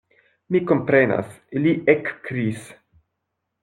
Mi komprenas, li ekkriis.